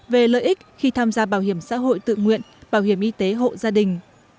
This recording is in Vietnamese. về lợi ích khi tham gia bảo hiểm xã hội tự nguyện bảo hiểm y tế hộ gia đình